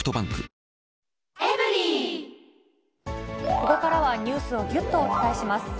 ここからはニュースをぎゅっとお伝えします。